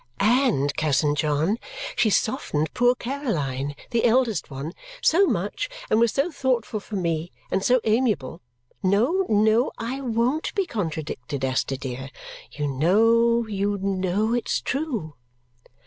"and, cousin John, she softened poor Caroline, the eldest one, so much and was so thoughtful for me and so amiable! No, no, I won't be contradicted, Esther dear! You know, you know, it's true!"